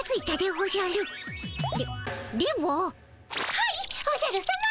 はいおじゃるさま。